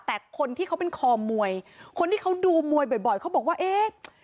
แต่คนที่เขาเป็นคอมวยคนที่เขาดูมวยบ่อยเขาบอกว่าเอ๊ะ